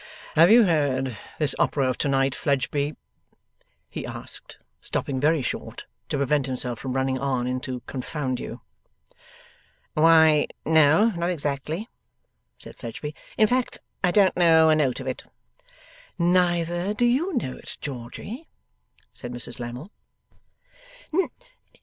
'Have you heard this opera of to night, Fledgeby?' he asked, stopping very short, to prevent himself from running on into 'confound you.' 'Why no, not exactly,' said Fledgeby. 'In fact I don't know a note of it.' 'Neither do you know it, Georgy?' said Mrs Lammle.